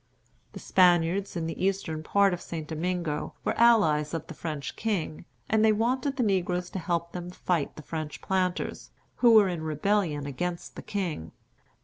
The Spaniards in the eastern part of St. Domingo were allies of the French king, and they wanted the negroes to help them fight the French planters, who were in rebellion against the king.